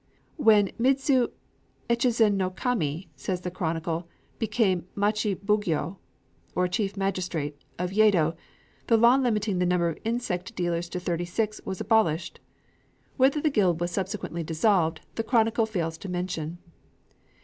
"When Midzu Echizen no Kami," says the chronicle, "became machi bugyō (or chief magistrate) of Yedo, the law limiting the number of insect dealers to thirty six, was abolished." Whether the guild was subsequently dissolved the chronicle fails to mention.